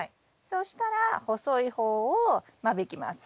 そしたら細い方を間引きます。